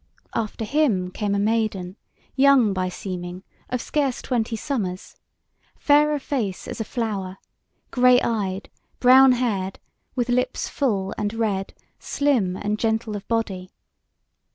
After him came a maiden, young by seeming, of scarce twenty summers; fair of face as a flower; grey eyed, brown haired, with lips full and red, slim and gentle of body.